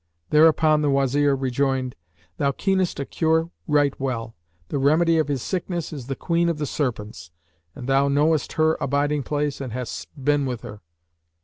Thereupon the Wazir rejoined, "Thou keenest a cure right well; the remedy of his sickness is the Queen of the Serpents, and thou knowest her abiding place and hast been with her."